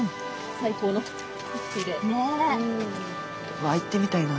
うわ行ってみたいな。